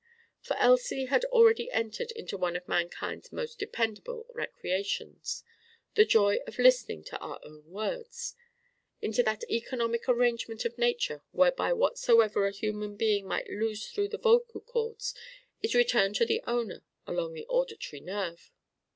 For Elsie had already entered into one of mankind's most dependable recreations the joy of listening to our own words: into that economic arrangement of nature whereby whatsoever a human being might lose through the vocal cords is returned to the owner along the auditory nerve!